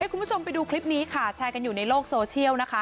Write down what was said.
คุณผู้ชมไปดูคลิปนี้ค่ะแชร์กันอยู่ในโลกโซเชียลนะคะ